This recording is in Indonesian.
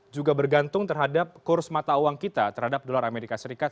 juga bergantung terhadap kurs mata uang kita terhadap dolar amerika serikat